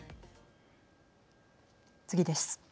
次です。